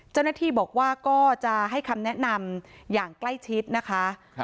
เจ้าหน้าที่บอกว่าก็จะให้คำแนะนำอย่างใกล้ชิดนะคะ